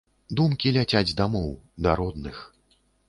Думкі ляцяць дамоў, да родных.